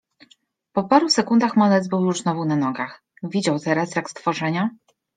Po pary sekundach malec był już znowu na nogach. Widział teraz, jak stworzenia